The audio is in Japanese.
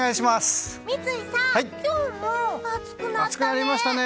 三井さん、今日も暑くなったね。